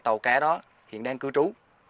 tàu cá đó hiện đang cư trú